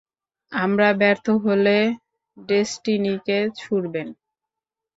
আমরা ব্যর্থ হলে ডেস্টিনিকে ছুড়বেন।